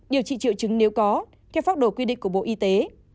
điều trị triệu chứng nếu có theo pháp đồ quy định của bộ y tế